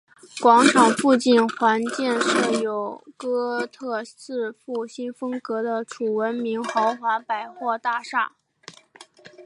广场附近还建设有哥特式复兴风格的楚闻明豪华百货大厦。